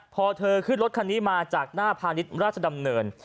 พอเธอขึ้นรถคันนี้มาจากหน้าพาณิชย์ราชดำเนิน